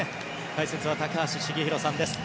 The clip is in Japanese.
解説は高橋繁浩さんです。